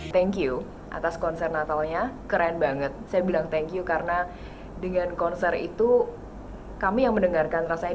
thank you atas konser natalnya keren banget saya bilang thank you karena dengan konser itu kami yang mendengarkan rasanya